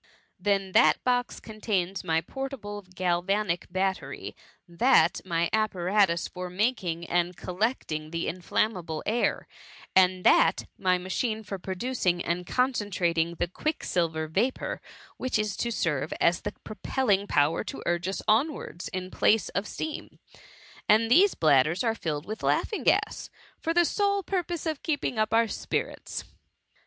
""*^ Then that box contains my portable gal vanic battery ; that, my apparatus for making and collecting the inflammable air; and that, my machine for producing and concentrating the quicksilver vapour, which is to serve as the propelling power to urge us onwards, in the place of steam ; and these bladders are filled with laughing gas, for the sole purpose of keeping up our spirits."